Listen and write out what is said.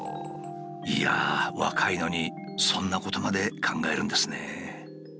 いやあ若いのにそんなことまで考えるんですね。